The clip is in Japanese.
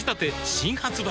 新発売